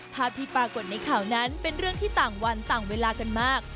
ภาพที่ปรากฏในข่าวนั้นเป็นเรื่องที่ต่างวันต่างเวลากันมาก